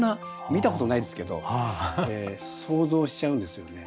見たことないですけど想像しちゃうんですよね。